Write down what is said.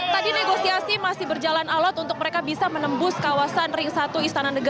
tadi negosiasi masih berjalan alat untuk mereka bisa menembus kawasan ring satu istana negara